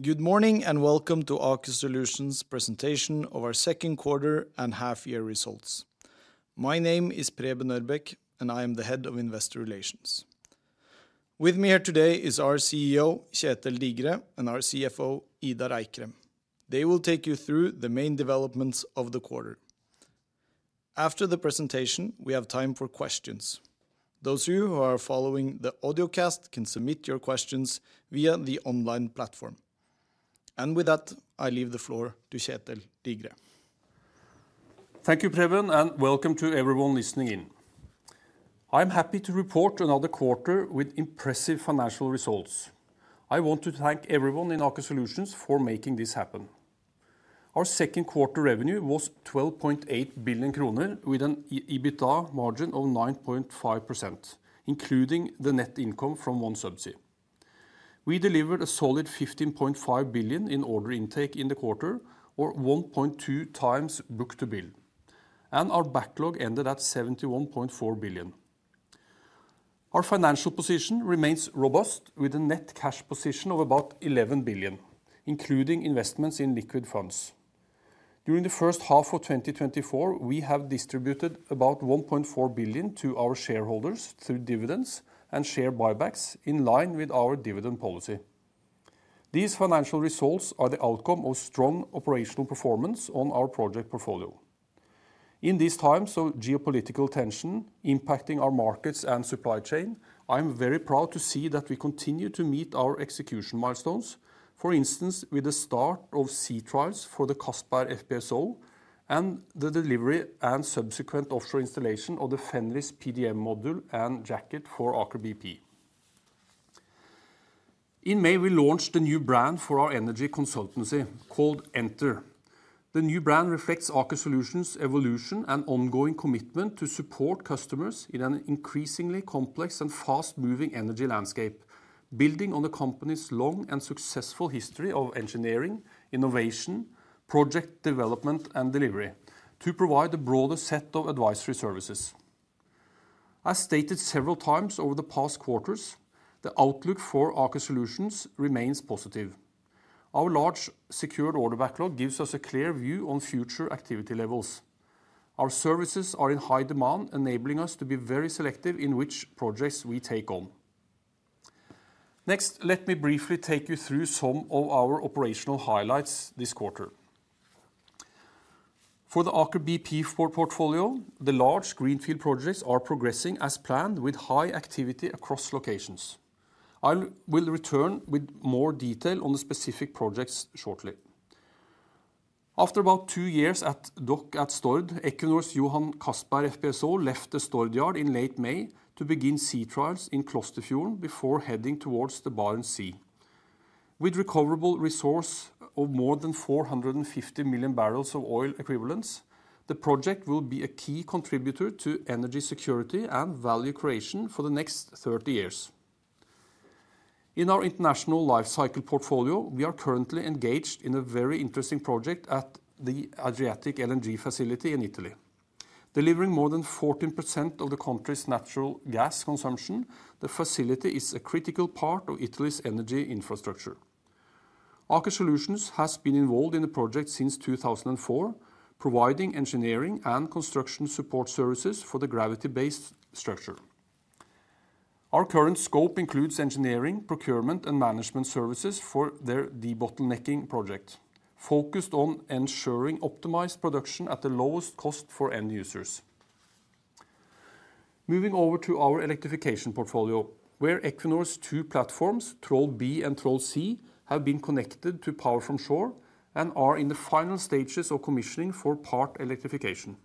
Good morning, and welcome to Aker Solutions presentation of our second quarter and half year results. My name is Preben Ørbeck, and I am the head of Investor Relations. With me here today is our CEO, Kjetel Digre, and our CFO, Idar Eikrem. They will take you through the main developments of the quarter. After the presentation, we have time for questions. Those of you who are following the audio cast can submit your questions via the online platform. And with that, I leave the floor to Kjetel Digre. Thank you, Preben, and welcome to everyone listening in. I'm happy to report another quarter with impressive financial results. I want to thank everyone in Aker Solutions for making this happen. Our second quarter revenue was 12.8 billion kroner, with an EBITDA margin of 9.5%, including the net income from OneSubsea. We delivered a solid 15.5 billion in order intake in the quarter, or 1.2 times book-to-bill, and our backlog ended at 71.4 billion. Our financial position remains robust, with a net cash position of about 11 billion, including investments in liquid funds. During the first half of 2024, we have distributed about 1.4 billion to our shareholders through dividends and share buybacks, in line with our dividend policy. These financial results are the outcome of strong operational performance on our project portfolio. In these times of geopolitical tension impacting our markets and supply chain, I'm very proud to see that we continue to meet our execution milestones. For instance, with the start of sea trials for the Johan Castberg FPSO, and the delivery and subsequent offshore installation of the Fenris PDM module and jacket for Aker BP. In May, we launched a new brand for our energy consultancy called enther. The new brand reflects Aker Solutions' evolution and ongoing commitment to support customers in an increasingly complex and fast-moving energy landscape, building on the company's long and successful history of engineering, innovation, project development, and delivery to provide a broader set of advisory services. As stated several times over the past quarters, the outlook for Aker Solutions remains positive. Our large secured order backlog gives us a clear view on future activity levels. Our services are in high demand, enabling us to be very selective in which projects we take on. Next, let me briefly take you through some of our operational highlights this quarter. For the Aker BP portfolio, the large greenfield projects are progressing as planned, with high activity across locations. I'll return with more detail on the specific projects shortly. After about two years at dock at Stord, Equinor's Johan Castberg FPSO left the Stord yard in late May to begin sea trials in Klosterfjorden before heading towards the Barents Sea. With recoverable resource of more than 450 million barrels of oil equivalents, the project will be a key contributor to energy security and value creation for the next 30 years. In our international lifecycle portfolio, we are currently engaged in a very interesting project at the Adriatic LNG facility in Italy. Delivering more than 14% of the country's natural gas consumption, the facility is a critical part of Italy's energy infrastructure. Aker Solutions has been involved in the project since 2004, providing engineering and construction support services for the gravity-based structure. Our current scope includes engineering, procurement, and management services for their debottlenecking project, focused on ensuring optimized production at the lowest cost for end users. Moving over to our electrification portfolio, where Equinor's two platforms, Troll B and Troll C, have been connected to power from shore and are in the final stages of commissioning for part electrification.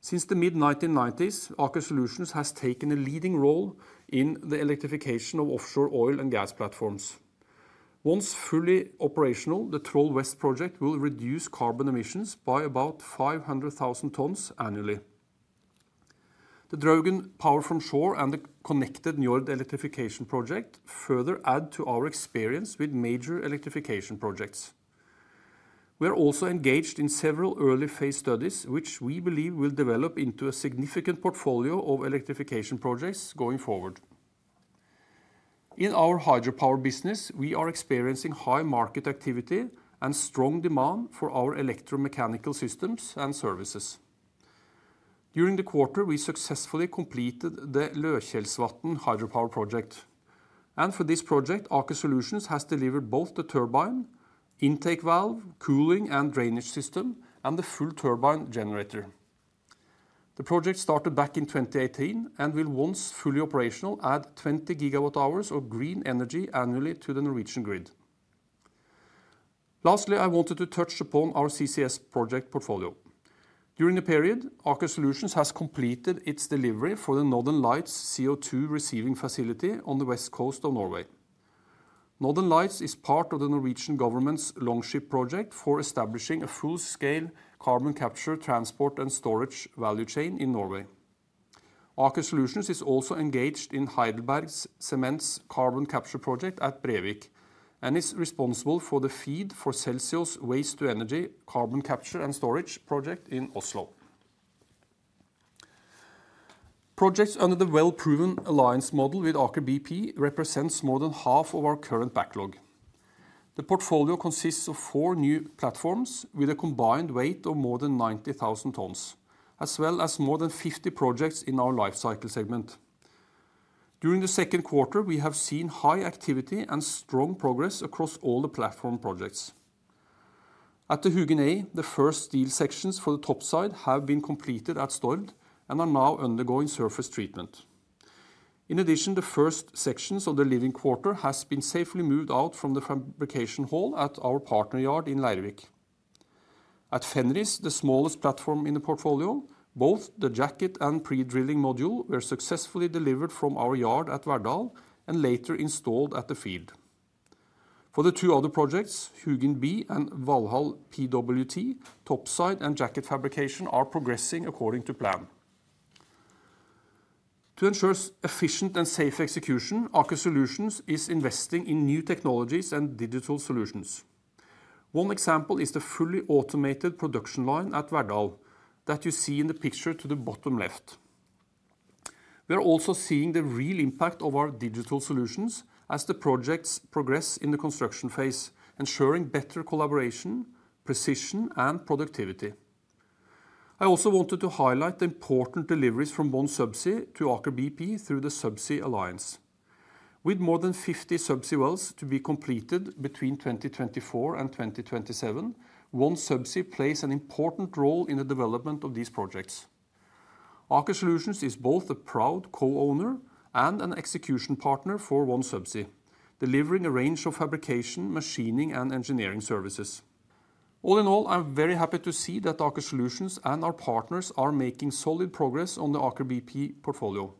Since the mid-1990s, Aker Solutions has taken a leading role in the electrification of offshore oil and gas platforms. Once fully operational, the Troll West project will reduce carbon emissions by about 500,000 tons annually. The Draugen power from shore and the connected Njord electrification project further add to our experience with major electrification projects. We are also engaged in several early phase studies, which we believe will develop into a significant portfolio of electrification projects going forward. In our hydropower business, we are experiencing high market activity and strong demand for our electromechanical systems and services. During the quarter, we successfully completed the Løkjelsvatn hydropower project, and for this project, Aker Solutions has delivered both the turbine, intake valve, cooling and drainage system, and the full turbine generator. The project started back in 2018 and will, once fully operational, add 20 GWh of green energy annually to the Norwegian grid. Lastly, I wanted to touch upon our CCS project portfolio. During the period, Aker Solutions has completed its delivery for the Northern Lights CO2 receiving facility on the west coast of Norway. Northern Lights is part of the Norwegian government's Longship project for establishing a full-scale carbon capture, transport, and storage value chain in Norway. Aker Solutions is also engaged in Heidelberg Materials's carbon capture project at Brevik and is responsible for the FEED for Celsio waste to energy, carbon capture and storage project in Oslo. Projects under the well-proven alliance model with Aker BP represents more than half of our current backlog. The portfolio consists of four new platforms with a combined weight of more than 90,000 tons, as well as more than 50 projects in our lifecycle segment. During the second quarter, we have seen high activity and strong progress across all the platform projects. At the Hugin A, the first steel sections for the topside have been completed at Stord and are now undergoing surface treatment. In addition, the first sections of the living quarter has been safely moved out from the fabrication hall at our partner yard in Leirvik. At Fenris, the smallest platform in the portfolio, both the jacket and pre-drilling module were successfully delivered from our yard at Verdal and later installed at the field. For the two other projects, Hugin B and Valhall PWP, topside and jacket fabrication are progressing according to plan. To ensure efficient and safe execution, Aker Solutions is investing in new technologies and digital solutions. One example is the fully automated production line at Verdal that you see in the picture to the bottom left. We are also seeing the real impact of our digital solutions as the projects progress in the construction phase, ensuring better collaboration, precision, and productivity. I also wanted to highlight the important deliveries from OneSubsea to Aker BP through the Subsea Alliance. With more than 50 subsea wells to be completed between 2024 and 2027, OneSubsea plays an important role in the development of these projects. Aker Solutions is both a proud co-owner and an execution partner for OneSubsea, delivering a range of fabrication, machining, and engineering services. All in all, I'm very happy to see that Aker Solutions and our partners are making solid progress on the Aker BP portfolio.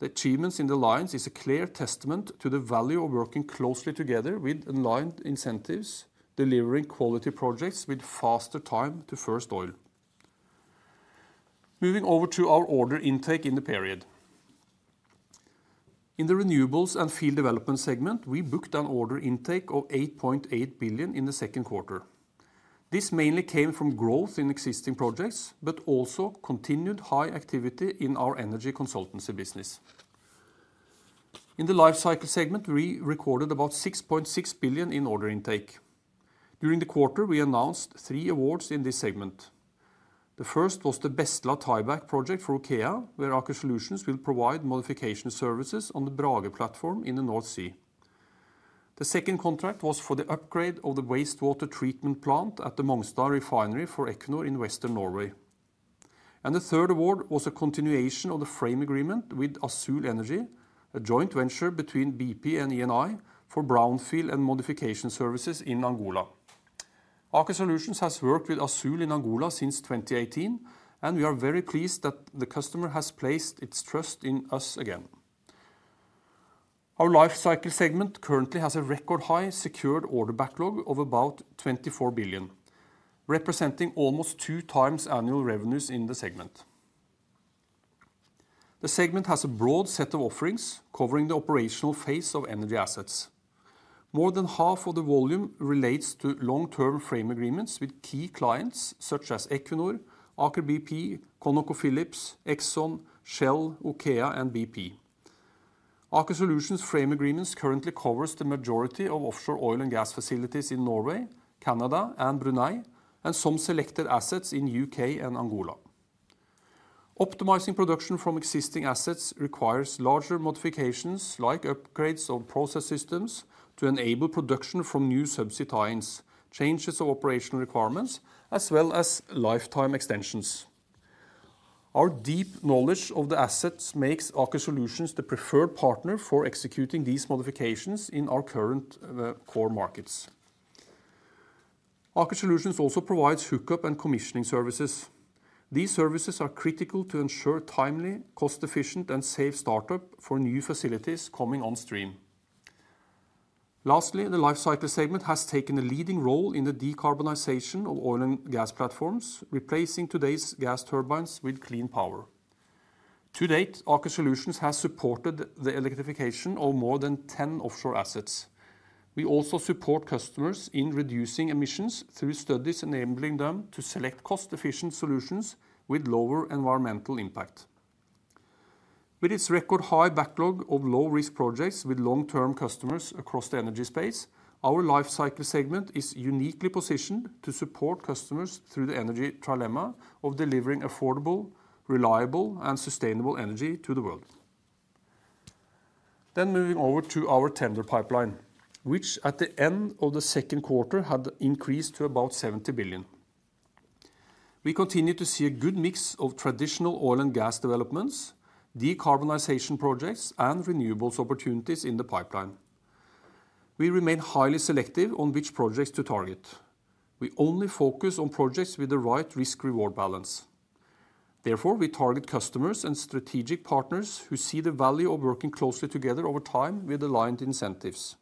The achievements in the alliance is a clear testament to the value of working closely together with aligned incentives, delivering quality projects with faster time to first oil. Moving over to our order intake in the period. In the renewables and field development segment, we booked an order intake of 8.8 billion in the second quarter. This mainly came from growth in existing projects, but also continued high activity in our energy consultancy business. In the lifecycle segment, we recorded about 6.6 billion in order intake. During the quarter, we announced three awards in this segment. The first was the Bestla Tieback project for OKEA, where Aker Solutions will provide modification services on the Brage platform in the North Sea. The second contract was for the upgrade of the wastewater treatment plant at the Mongstad Refinery for Equinor in western Norway. The third award was a continuation of the frame agreement with Azule Energy, a joint venture between BP and Eni for brownfield and modification services in Angola. Aker Solutions has worked with Azule in Angola since 2018, and we are very pleased that the customer has placed its trust in us again. Our lifecycle segment currently has a record high secured order backlog of about 24 billion, representing almost two times annual revenues in the segment. The segment has a broad set of offerings covering the operational phase of energy assets. More than half of the volume relates to long-term frame agreements with key clients such as Equinor, Aker BP, ConocoPhillips, Exxon, Shell, OKEA, and BP. Aker Solutions frame agreements currently covers the majority of offshore oil and gas facilities in Norway, Canada, and Brunei, and some selected assets in UK and Angola. Optimizing production from existing assets requires larger modifications, like upgrades of process systems, to enable production from new Subsea ties, changes of operational requirements, as well as lifetime extensions. Our deep knowledge of the assets makes Aker Solutions the preferred partner for executing these modifications in our current, core markets. Aker Solutions also provides hookup and commissioning services. These services are critical to ensure timely, cost-efficient, and safe startup for new facilities coming on stream. Lastly, the lifecycle segment has taken a leading role in the decarbonization of oil and gas platforms, replacing today's gas turbines with clean power. To date, Aker Solutions has supported the electrification of more than 10 offshore assets. We also support customers in reducing emissions through studies, enabling them to select cost-efficient solutions with lower environmental impact. With its record-high backlog of low-risk projects with long-term customers across the energy space, our lifecycle segment is uniquely positioned to support customers through the Energy Trilemma of delivering affordable, reliable, and sustainable energy to the world. Then moving over to our tender pipeline, which at the end of the second quarter, had increased to about 70 billion. We continue to see a good mix of traditional oil and gas developments, decarbonization projects, and renewables opportunities in the pipeline. We remain highly selective on which projects to target. We only focus on projects with the right risk-reward balance. Therefore, we target customers and strategic partners who see the value of working closely together over time with aligned incentives.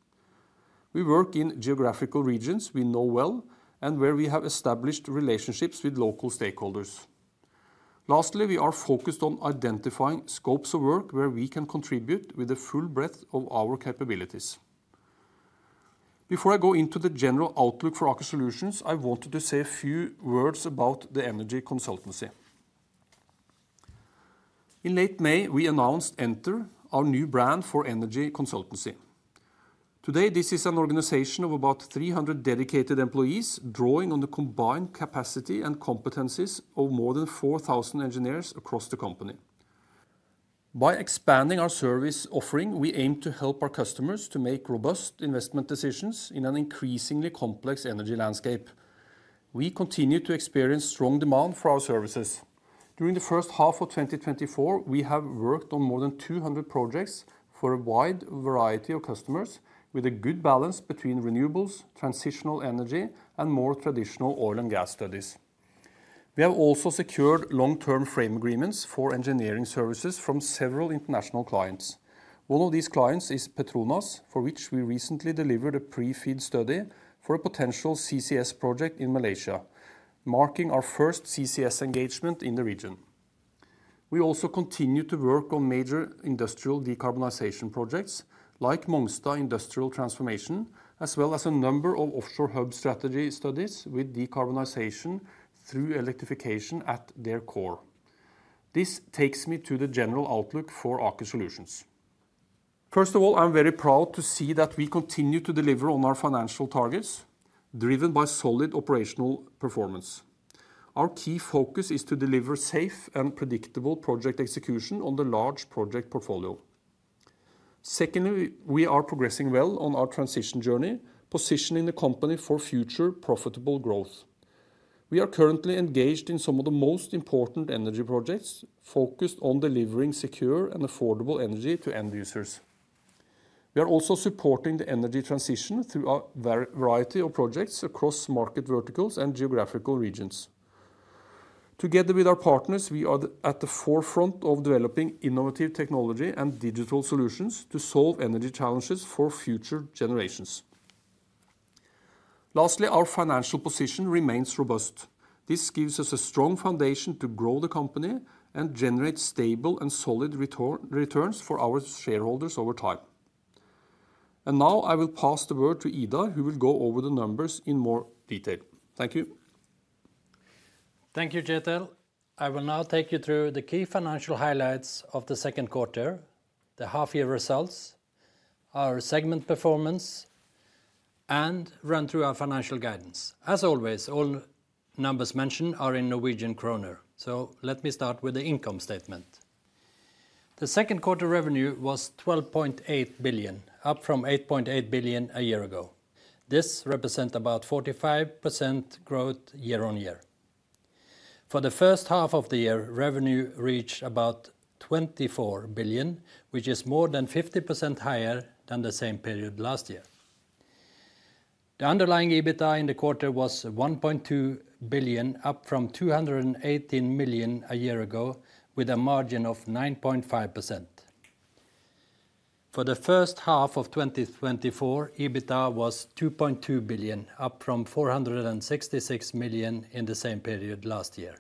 We work in geographical regions we know well and where we have established relationships with local stakeholders. Lastly, we are focused on identifying scopes of work where we can contribute with the full breadth of our capabilities.... Before I go into the general outlook for Aker Solutions, I wanted to say a few words about the energy consultancy. In late May, we announced enther, our new brand for energy consultancy. Today, this is an organization of about 300 dedicated employees, drawing on the combined capacity and competencies of more than 4,000 engineers across the company. By expanding our service offering, we aim to help our customers to make robust investment decisions in an increasingly complex energy landscape. We continue to experience strong demand for our services. During the first half of 2024, we have worked on more than 200 projects for a wide variety of customers, with a good balance between renewables, transitional energy, and more traditional oil and gas studies. We have also secured long-term frame agreements for engineering services from several international clients. One of these clients is Petronas, for which we recently delivered a pre-FEED study for a potential CCS project in Malaysia, marking our first CCS engagement in the region. We also continue to work on major industrial decarbonization projects like Mongstad Industrial Transformation, as well as a number of offshore hub strategy studies with decarbonization through electrification at their core. This takes me to the general outlook for Aker Solutions. First of all, I'm very proud to see that we continue to deliver on our financial targets, driven by solid operational performance. Our key focus is to deliver safe and predictable project execution on the large project portfolio. Secondly, we are progressing well on our transition journey, positioning the company for future profitable growth. We are currently engaged in some of the most important energy projects, focused on delivering secure and affordable energy to end users. We are also supporting the energy transition through a variety of projects across market verticals and geographical regions. Together with our partners, we are at the forefront of developing innovative technology and digital solutions to solve energy challenges for future generations. Lastly, our financial position remains robust. This gives us a strong foundation to grow the company and generate stable and solid returns for our shareholders over time. Now I will pass the word to Idar, who will go over the numbers in more detail. Thank you. Thank you, Kjetel. I will now take you through the key financial highlights of the second quarter, the half-year results, our segment performance, and run through our financial guidance. As always, all numbers mentioned are in Norwegian kroner. So let me start with the income statement. The second quarter revenue was 12.8 billion, up from 8.8 billion a year ago. This represent about 45% growth year-on-year. For the first half of the year, revenue reached about 24 billion, which is more than 50% higher than the same period last year. The underlying EBITDA in the quarter was 1.2 billion, up from 218 million a year ago, with a margin of 9.5%. For the first half of 2024, EBITDA was 2.2 billion, up from 466 million in the same period last year.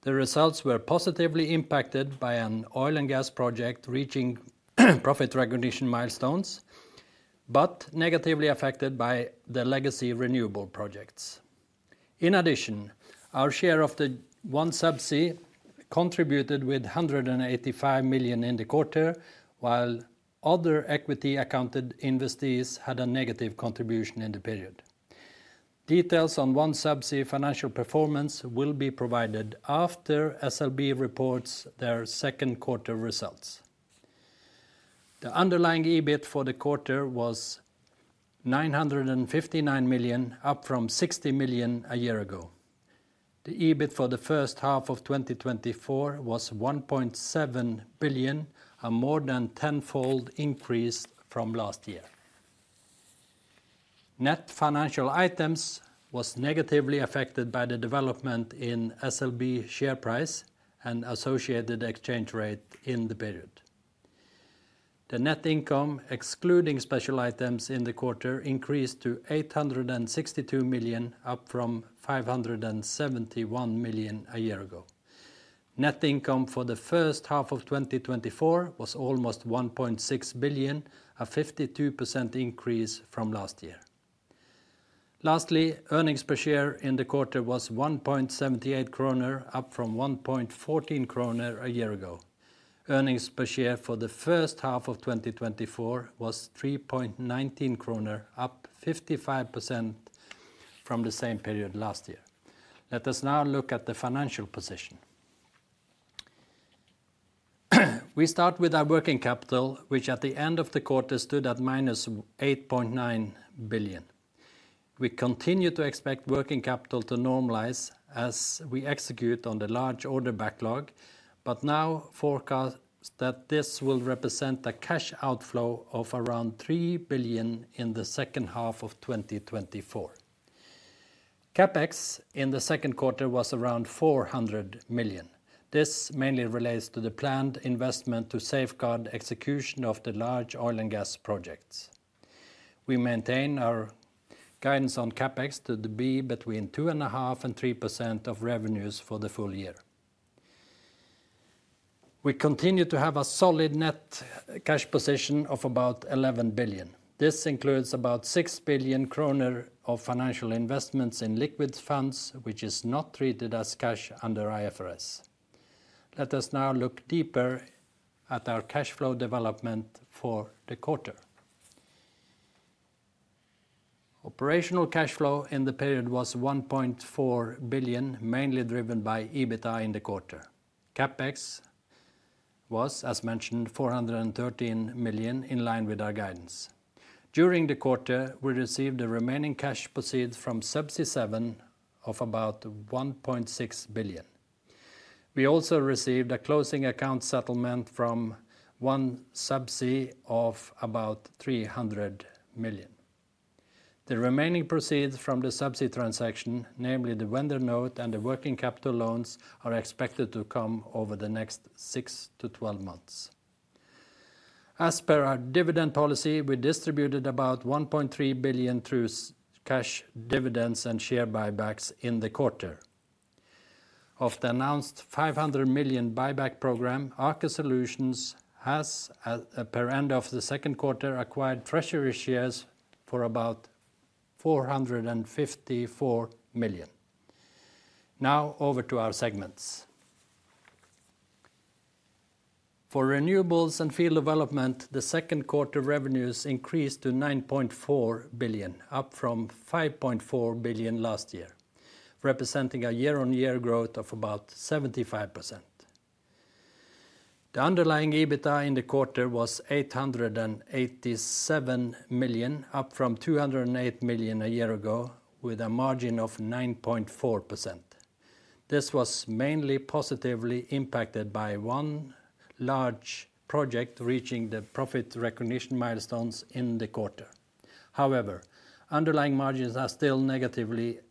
The results were positively impacted by an oil and gas project reaching profit recognition milestones, but negatively affected by the legacy renewable projects. In addition, our share of the OneSubsea contributed with 185 million in the quarter, while other equity accounted investees had a negative contribution in the period. Details on OneSubsea financial performance will be provided after SLB reports their second quarter results. The underlying EBIT for the quarter was 959 million, up from 60 million a year ago. The EBIT for the first half of 2024 was 1.7 billion, a more than tenfold increase from last year. Net financial items was negatively affected by the development in SLB share price and associated exchange rate in the period. The net income, excluding special items in the quarter, increased to 862 million, up from 571 million a year ago. Net income for the first half of 2024 was almost 1.6 billion, a 52% increase from last year. Lastly, earnings per share in the quarter was 1.78 kroner, up from 1.14 kroner a year ago. Earnings per share for the first half of 2024 was 3.19 kroner, up 55% from the same period last year. Let us now look at the financial position. We start with our working capital, which at the end of the quarter stood at -8.9 billion. We continue to expect working capital to normalize as we execute on the large order backlog, but now forecast that this will represent a cash outflow of around 3 billion in the second half of 2024. CapEx in the second quarter was around 400 million. This mainly relates to the planned investment to safeguard execution of the large oil and gas projects. We maintain our guidance on CapEx to be between 2.5% and 3% of revenues for the full-year. We continue to have a solid net cash position of about 11 billion. This includes about 6 billion kroner of financial investments in liquid funds, which is not treated as cash under IFRS. Let us now look deeper at our cash flow development for the quarter. Operational cash flow in the period was 1.4 billion, mainly driven by EBITDA in the quarter. CapEx was, as mentioned, 413 million, in line with our guidance. During the quarter, we received the remaining cash proceeds from Subsea7 of about 1.6 billion. We also received a closing account settlement from OneSubsea of about 300 million. The remaining proceeds from the Subsea transaction, namely the vendor note and the working capital loans, are expected to come over the next six to 12 months. As per our dividend policy, we distributed about 1.3 billion through cash dividends and share buybacks in the quarter. Of the announced 500 million buyback program, Aker Solutions has, as per end of the second quarter, acquired treasury shares for about 454 million. Now, over to our segments. For renewables and field development, the second quarter revenues increased to 9.4 billion, up from 5.4 billion last year, representing a year-on-year growth of about 75%. The underlying EBITDA in the quarter was 887 million, up from 208 million a year ago, with a margin of 9.4%. This was mainly positively impacted by one large project reaching the profit recognition milestones in the quarter. However, underlying margins are still negatively affected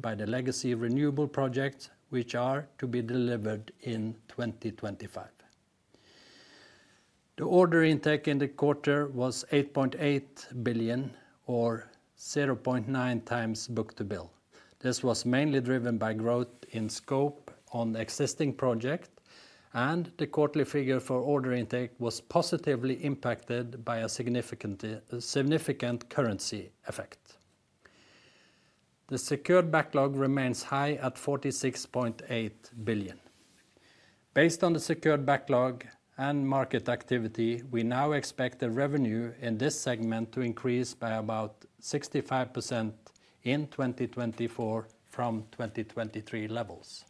by the legacy renewable projects, which are to be delivered in 2025. The order intake in the quarter was 8.8 billion, or 0.9 times book-to-bill. This was mainly driven by growth in scope on the existing project, and the quarterly figure for order intake was positively impacted by a significant currency effect. The secured backlog remains high at 46.8 billion. Based on the secured backlog and market activity, we now expect the revenue in this segment to increase by about 65% in 2024 from 2023 levels.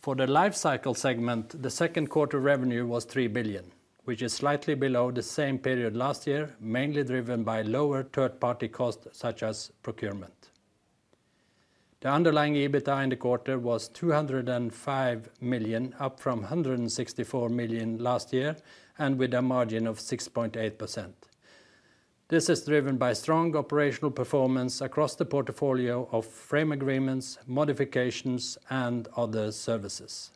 For the lifecycle segment, the second quarter revenue was 3 billion, which is slightly below the same period last year, mainly driven by lower third-party costs, such as procurement. The underlying EBITDA in the quarter was 205 million, up from 164 million last year, and with a margin of 6.8%. This is driven by strong operational performance across the portfolio of frame agreements, modifications, and other services.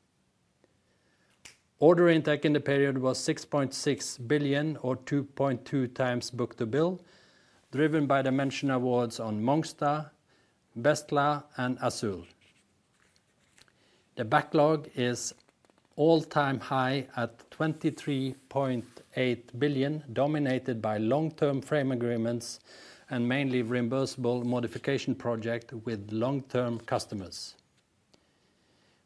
Order intake in the period was 6.6 billion, or 2.2 times book-to-bill, driven by the recent awards on Mongstad, Valhall, and Azule. The backlog is at an all-time high at 23.8 billion, dominated by long-term frame agreements and mainly reimbursable modification projects with long-term customers.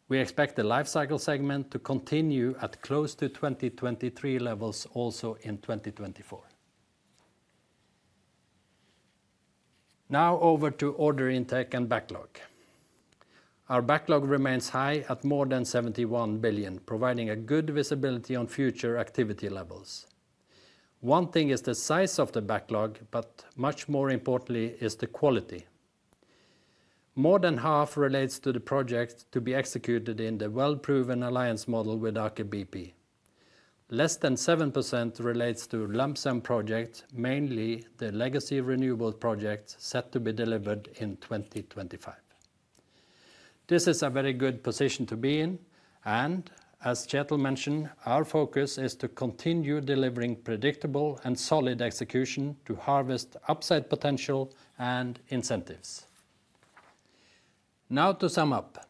We expect the lifecycle segment to continue at close to 2023 levels also in 2024. Now, over to order intake and backlog. Our backlog remains high at more than 71 billion, providing good visibility on future activity levels. One thing is the size of the backlog, but much more importantly is the quality. More than half relates to the projects to be executed in the well-proven alliance model with Aker BP. Less than 7% relates to lump sum projects, mainly the legacy renewable projects set to be delivered in 2025. This is a very good position to be in, and as Kjetel mentioned, our focus is to continue delivering predictable and solid execution to harvest upside potential and incentives. Now to sum up.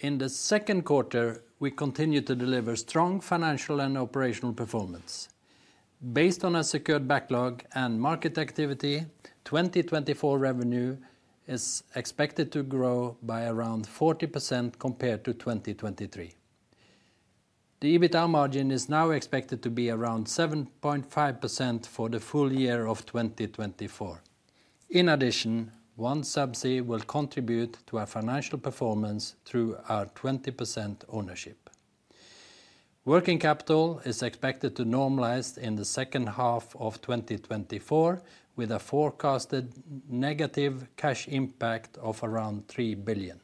In the second quarter, we continued to deliver strong financial and operational performance. Based on a secured backlog and market activity, 2024 revenue is expected to grow by around 40% compared to 2023. The EBITDA margin is now expected to be around 7.5% for the full-year of 2024. In addition, OneSubsea will contribute to our financial performance through our 20% ownership. Working capital is expected to normalize in the second half of 2024, with a forecasted negative cash impact of around 3 billion.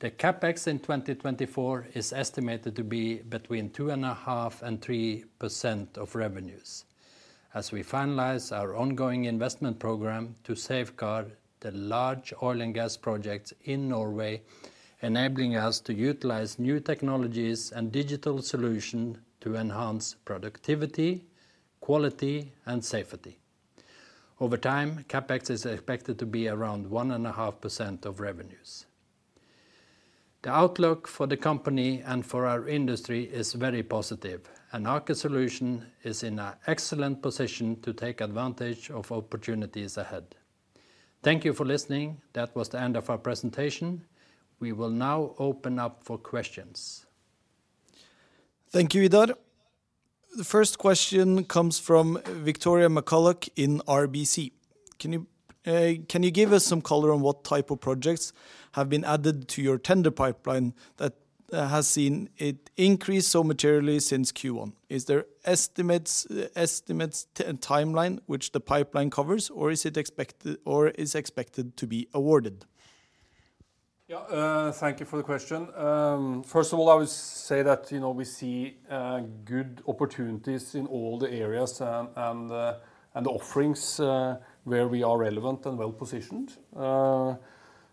The CapEx in 2024 is estimated to be between 2.5% and 3% of revenues. As we finalize our ongoing investment program to safeguard the large oil and gas projects in Norway, enabling us to utilize new technologies and digital solution to enhance productivity, quality, and safety. Over time, CapEx is expected to be around 1.5% of revenues. The outlook for the company and for our industry is very positive, and Aker Solutions is in an excellent position to take advantage of opportunities ahead. Thank you for listening. That was the end of our presentation. We will now open up for questions. Thank you, Idar. The first question comes from Victoria McCulloch in RBC. "Can you, can you give us some color on what type of projects have been added to your tender pipeline that has seen it increase so materially since Q1? Is there estimates and timeline which the pipeline covers, or is it expected to be awarded? Yeah, thank you for the question. First of all, I would say that, you know, we see good opportunities in all the areas and offerings where we are relevant and well-positioned.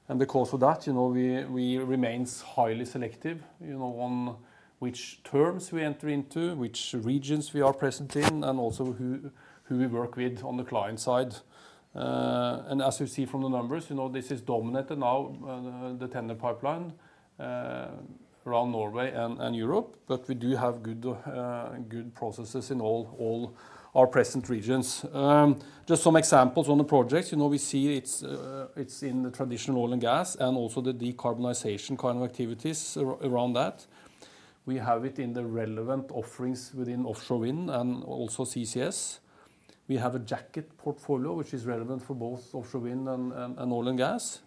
And because of that, you know, we remains highly selective, you know, on which terms we enter into, which regions we are present in, and also who we work with on the client side. And as you see from the numbers, you know, this is dominated now the tender pipeline around Norway and Europe, but we do have good processes in all our present regions. Just some examples on the projects. You know, we see it's in the traditional oil and gas, and also the decarbonization kind of activities around that. We have it in the relevant offerings within offshore wind and also CCS. We have a jacket portfolio, which is relevant for both offshore wind and oil and gas.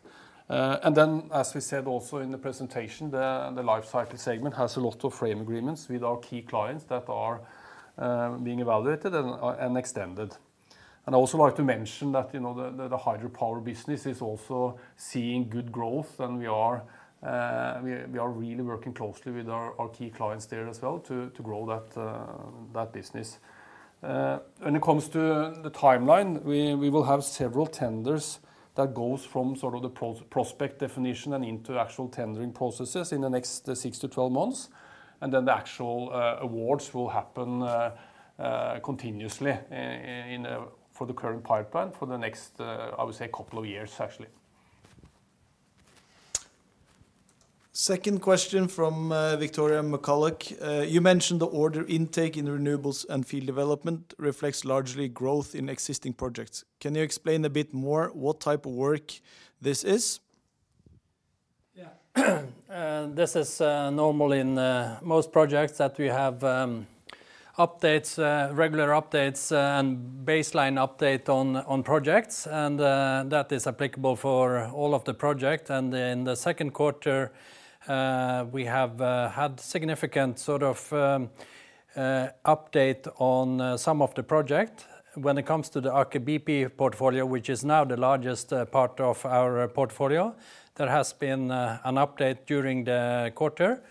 And then, as we said also in the presentation, the lifecycle segment has a lot of frame agreements with our key clients that are being evaluated and extended. And I'd also like to mention that, you know, the hydropower business is also seeing good growth, and we are, we are really working closely with our key clients there as well to grow that business. When it comes to the timeline, we will have several tenders that goes from sort of the prospect definition and into actual tendering processes in the next six to 12 months, and then the actual awards will happen continuously in, for the current pipeline for the next, I would say, couple of years, actually. Second question from, Victoria McCulloch. "You mentioned the order intake in renewables and field development reflects largely growth in existing projects. Can you explain a bit more what type of work this is? Yeah. This is normal in most projects that we have, updates, regular updates and baseline update on projects, and that is applicable for all of the project. In the second quarter, we have had significant sort of update on some of the project. When it comes to the Aker BP portfolio, which is now the largest part of our portfolio, there has been an update during the quarter,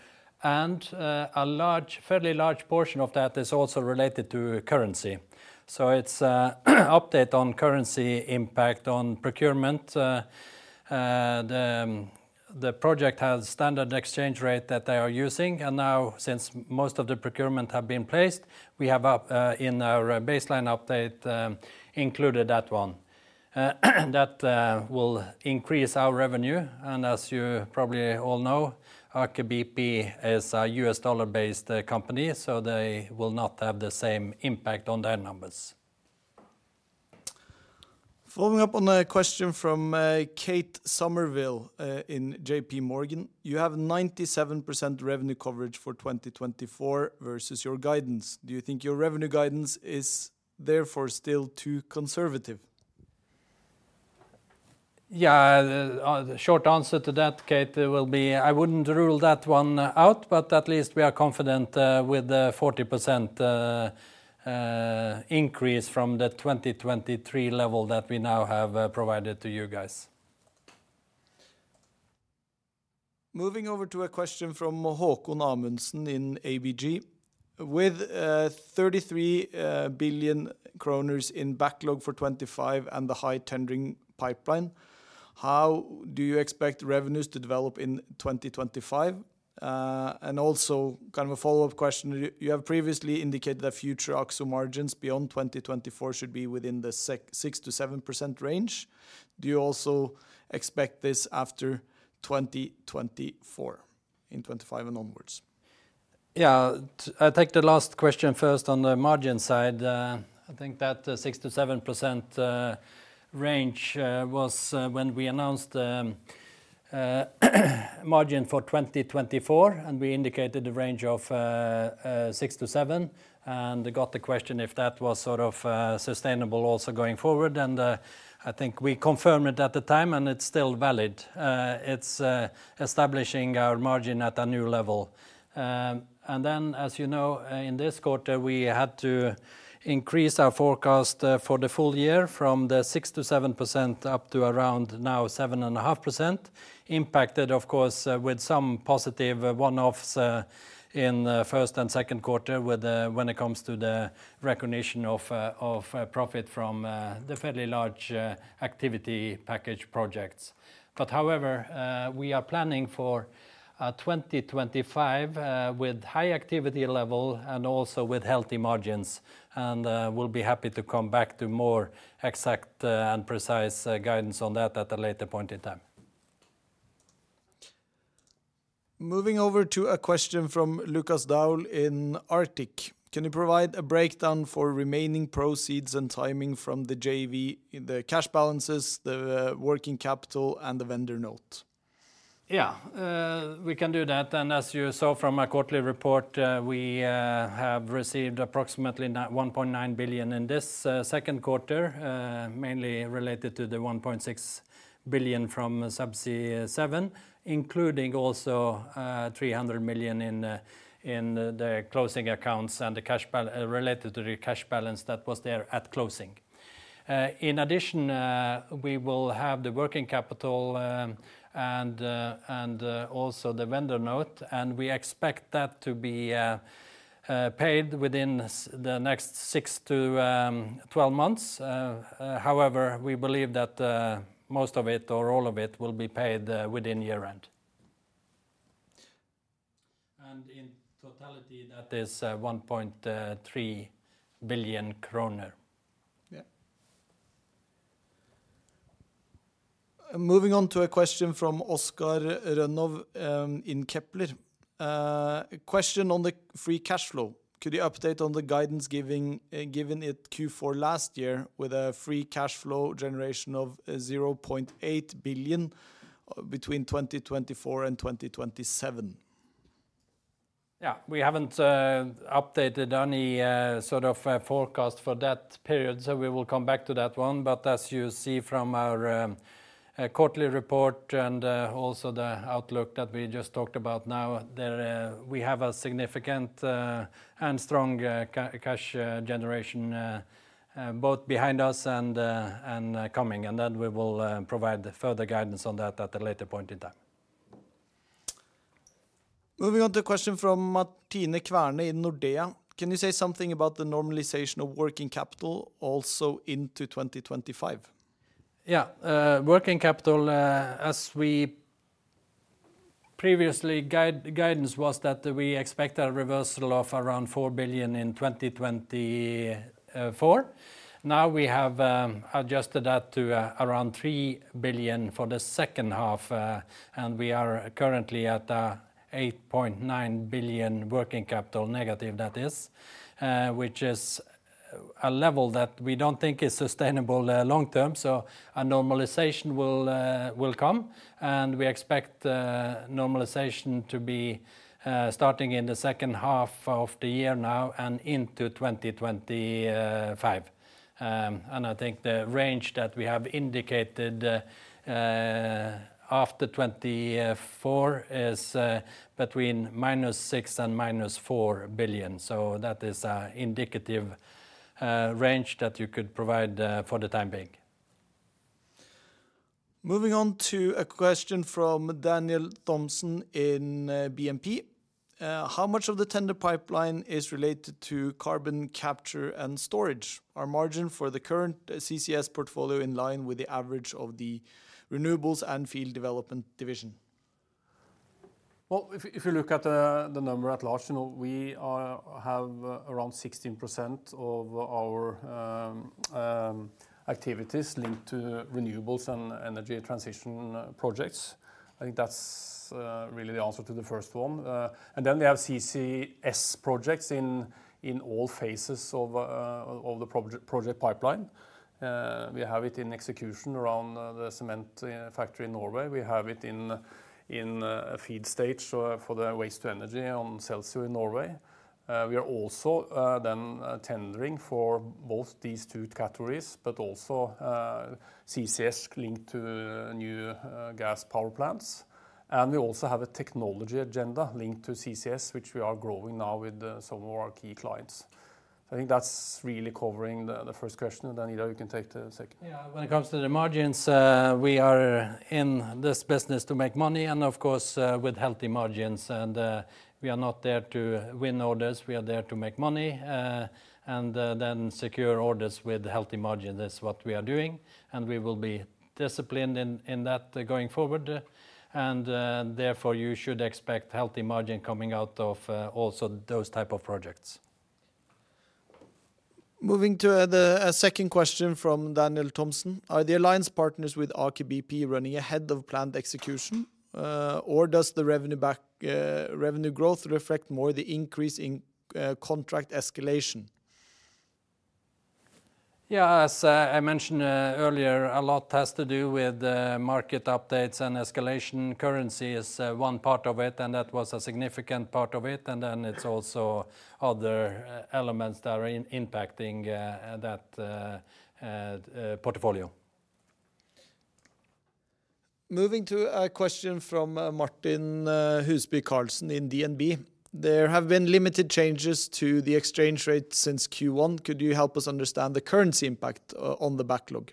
and a fairly large portion of that is also related to currency. So it's an update on currency impact on procurement. The project has standard exchange rate that they are using, and now, since most of the procurement have been placed, we have up in our baseline update included that one. That will increase our revenue, and as you probably all know, Aker BP is a US dollar-based company, so they will not have the same impact on their numbers. Following up on a question from Kate O'Sullivan in J.P. Morgan: "You have 97% revenue coverage for 2024 versus your guidance. Do you think your revenue guidance is therefore still too conservative? Yeah, the short answer to that, Kate, will be I wouldn't rule that one out, but at least we are confident with the 40% increase from the 2023 level that we now have provided to you guys. Moving over to a question from Haakon Amundsen in ABG: "With thirty-three billion kroners in backlog for 2025 and the high tendering pipeline, how do you expect revenues to develop in 2025?" And also kind of a follow-up question, "You have previously indicated that future OPEX margins beyond 2024 should be within the 6%-7% range. Do you also expect this after 2024, in 2025 and onwards? Yeah, I'll take the last question first on the margin side. I think that 6%-7% range was when we announced margin for 2024, and we indicated a range of six to seven, and got the question if that was sort of sustainable also going forward. I think we confirmed it at the time, and it's still valid. It's establishing our margin at a new level. And then, as you know, in this quarter, we had to increase our forecast for the full-year from the 6%-7% up to around now 7.5%, impacted, of course, with some positive one-offs in the first and second quarter when it comes to the recognition of profit from the fairly large activity package projects. But however, we are planning for 2025 with high activity level and also with healthy margins, and we'll be happy to come back to more exact and precise guidance on that at a later point in time.... Moving over to a question from Lukas Daul in Arctic Securities. Can you provide a breakdown for remaining proceeds and timing from the JV in the cash balances, working capital, and the vendor note? Yeah, we can do that. As you saw from our quarterly report, we have received approximately 1.9 billion in this second quarter, mainly related to the 1.6 billion from Subsea7, including also 300 million in the closing accounts and the cash balance related to the cash balance that was there at closing. In addition, we will have the working capital, and also the vendor note, and we expect that to be paid within the next six to 12 months. However, we believe that most of it or all of it will be paid within year-end. And in totality, that is 1.3 billion kroner. Yeah. Moving on to a question from Oskar Rønnov in Kepler. A question on the free cash flow. Could you update on the guidance given it Q4 last year with a free cash flow generation of 0.8 billion between 2024 and 2027? Yeah. We haven't updated any sort of forecast for that period, so we will come back to that one. But as you see from our quarterly report and also the outlook that we just talked about now, there we have a significant and strong cash generation both behind us and coming, and then we will provide the further guidance on that at a later point in time. Moving on to a question from Martine Kverne in Nordea. Can you say something about the normalization of working capital also into 2025? Yeah. Working capital, as we previously guidance was that we expect a reversal of around 4 billion in 2024. Now we have adjusted that to around 3 billion for the second half, and we are currently at 8.9 billion working capital negative, that is, which is a level that we don't think is sustainable long term. So a normalization will come, and we expect normalization to be starting in the second half of the year now and into 2025. And I think the range that we have indicated after 2024 is between -6 billion and -4 billion. So that is a indicative range that you could provide for the time being. Moving on to a question from Daniel Thomson in, BNP. How much of the tender pipeline is related to carbon capture and storage? Our margin for the current CCS portfolio in line with the average of the renewables and field development division. Well, if you look at the number at large, you know, we have around 16% of our activities linked to renewables and energy transition projects. I think that's really the answer to the first one. And then we have CCS projects in all phases of the project pipeline. We have it in execution around the cement factory in Norway. We have it in a FEED stage for the waste to energy on Celsio in Norway. We are also then tendering for both these two categories, but also CCS linked to new gas power plants. And we also have a technology agenda linked to CCS, which we are growing now with some of our key clients. I think that's really covering the first question, and then, you know, you can take the second. Yeah. When it comes to the margins, we are in this business to make money, and of course, with healthy margins. We are not there to win orders, we are there to make money, and then secure orders with healthy margin. That's what we are doing, and we will be disciplined in that going forward. Therefore, you should expect healthy margin coming out of also those type of projects. Moving to a second question from Daniel Thomson. Are the alliance partners with Aker BP running ahead of planned execution, or does the revenue back, revenue growth reflect more the increase in contract escalation? Yeah, as I mentioned earlier, a lot has to do with market updates and escalation. Currency is one part of it, and that was a significant part of it, and then it's also other elements that are impacting that portfolio. Moving to a question from Martin Huseby Karlsen in DNB. There have been limited changes to the exchange rate since Q1. Could you help us understand the currency impact on the backlog?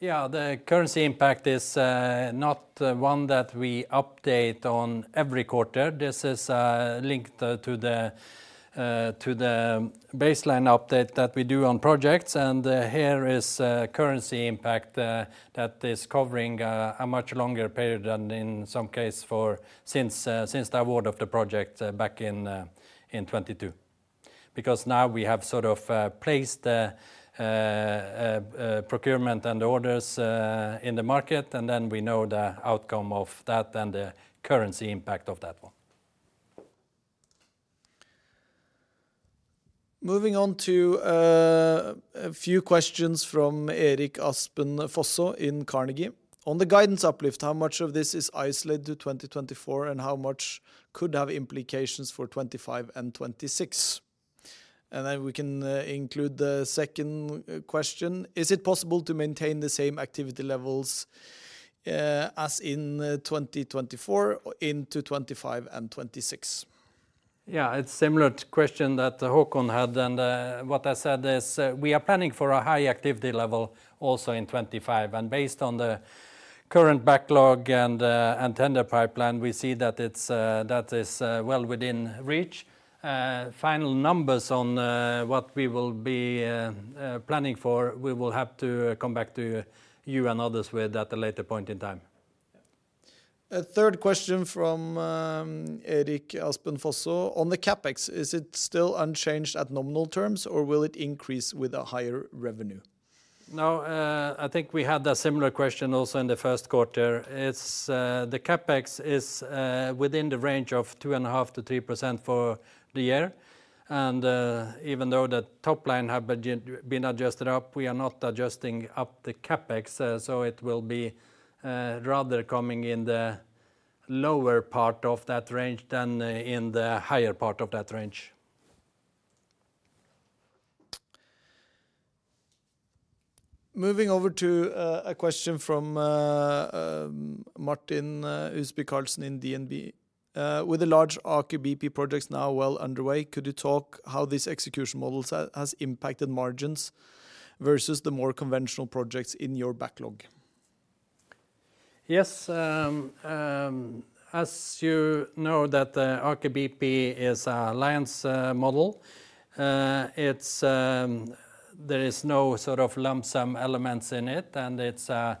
Yeah. The currency impact is not one that we update on every quarter. This is linked to the baseline update that we do on projects, and here is a currency impact that is covering a much longer period than in some cases since the award of the project back in 2022... because now we have sort of placed the procurement and orders in the market, and then we know the outcome of that and the currency impact of that one. Moving on to, a few questions from Eirik Aspestrand in Carnegie. On the guidance uplift, how much of this is isolated to 2024, and how much could have implications for 2025 and 2026? And then we can, include the second, question: Is it possible to maintain the same activity levels, as in, 2024 into 2025 and 2026? Yeah, it's similar to question that Haakon had, and what I said is, we are planning for a high activity level also in 2025. And based on the current backlog and the tender pipeline, we see that it's, that is, well within reach. Final numbers on what we will be planning for, we will have to come back to you and others with at a later point in time. Yeah. A third question from, Eirik Aspestrand. On the CapEx, is it still unchanged at nominal terms, or will it increase with a higher revenue? No, I think we had a similar question also in the first quarter. It's the CapEx is within the range of 2.5%-3% for the year. And even though the top line have been, been adjusted up, we are not adjusting up the CapEx. So it will be rather coming in the lower part of that range than in the higher part of that range. Moving over to a question from Martin Huseby Karlsen in DNB. With the large Aker BP projects now well underway, could you talk how these execution models has impacted margins versus the more conventional projects in your backlog? Yes, as you know, that the Aker BP is a alliance model, it's. There is no sort of lump sum elements in it, and it's a,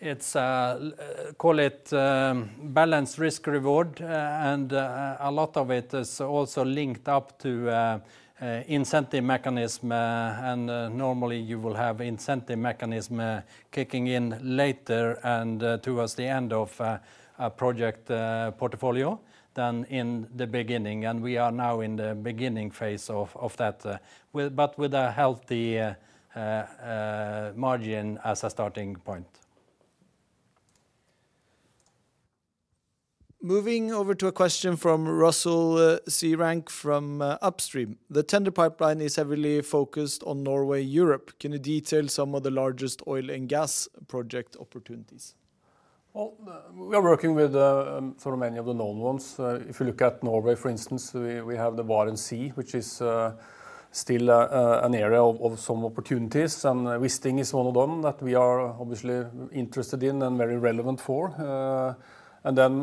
it's a, call it, balanced risk reward. And, a lot of it is also linked up to, incentive mechanism. And normally you will have incentive mechanism, kicking in later and, towards the end of a, a project, portfolio than in the beginning, and we are now in the beginning phase of, of that, with, but with a healthy, margin as a starting point. Moving over to a question from Russell Searancke from Upstream. The tender pipeline is heavily focused on Norway, Europe. Can you detail some of the largest oil and gas project opportunities? Well, we are working with sort of many of the known ones. If you look at Norway, for instance, we have the Barents Sea, which is still an area of some opportunities. And Wisting is one of them that we are obviously interested in and very relevant for. And then,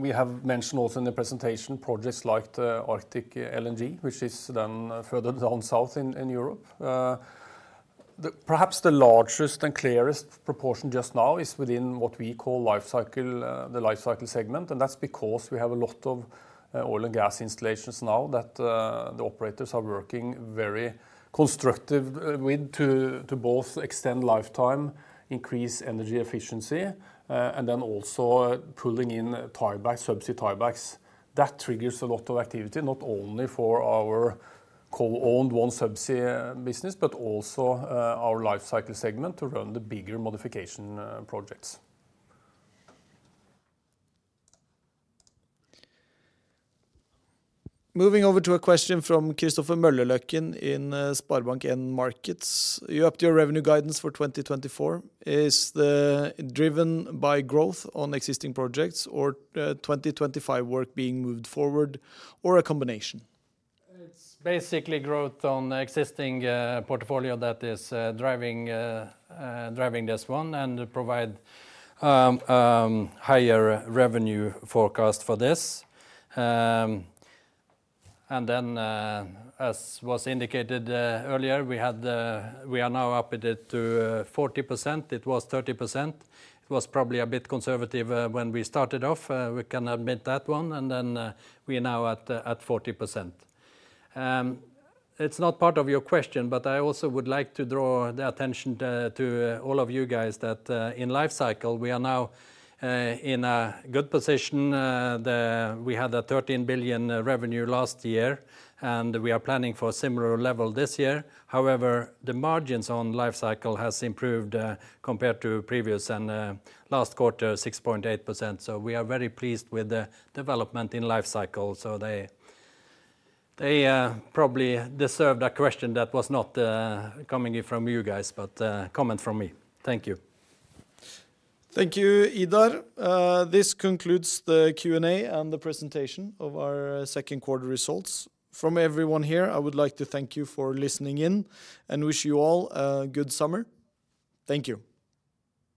we have mentioned also in the presentation projects like the Adriatic LNG, which is then further down south in Europe. The perhaps the largest and clearest proportion just now is within what we call life cycle, the life cycle segment, and that's because we have a lot of oil and gas installations now that the operators are working very constructive with to both extend lifetime, increase energy efficiency, and then also pulling in tiebacks, subsea tiebacks. That triggers a lot of activity, not only for our co-owned OneSubsea business, but also, our life cycle segment to run the bigger modification projects. Moving over to a question from Christopher Møllerløkken in SpareBank 1 Markets. You upped your revenue guidance for 2024. Is the driven by growth on existing projects or twenty twenty-five work being moved forward, or a combination? It's basically growth on existing portfolio that is driving this one and provide higher revenue forecast for this. And then, as was indicated earlier, we are now upping it to 40%. It was 30%. It was probably a bit conservative when we started off, we can admit that one, and then we are now at 40%. It's not part of your question, but I also would like to draw the attention to all of you guys that in life cycle we are now in a good position. We had 13 billion revenue last year, and we are planning for a similar level this year. However, the margins on life cycle has improved, compared to previous and last quarter, 6.8%. So we are very pleased with the development in life cycle. So they probably deserved a question that was not coming in from you guys, but comment from me. Thank you. Thank you, Idar. This concludes the Q&A and the presentation of our second quarter results. From everyone here, I would like to thank you for listening in and wish you all a good summer. Thank you.